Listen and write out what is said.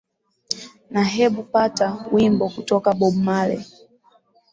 na hebu pata wimbo kutoka bob marley